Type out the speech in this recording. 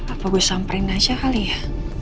apa gue samperin aja kali ya